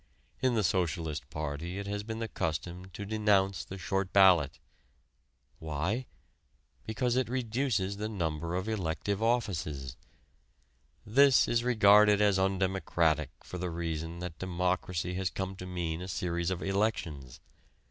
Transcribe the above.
In the Socialist party it has been the custom to denounce the "short ballot." Why? Because it reduces the number of elective offices. This is regarded as undemocratic for the reason that democracy has come to mean a series of elections.